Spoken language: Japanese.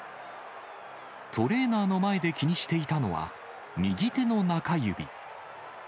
トレーナーの前で気にしていたのは、右手の中指。